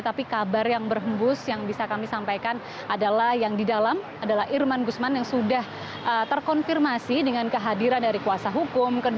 tapi kabar yang berhembus yang bisa kami sampaikan adalah yang di dalam adalah irman gusman yang sudah terkonfirmasi dengan kehadiran dari kuasa hukum